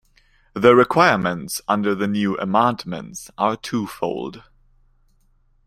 The requirements under the new Amendments are two-fold.